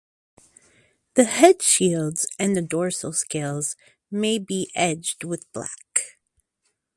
The head shields and the dorsal scales may be edged with black.